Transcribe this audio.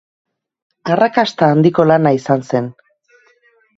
Arrakasta handiko lana izan zen.